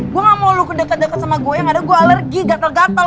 gue gak mau lu deket deket sama gue yang ada gue alergi gatel gatel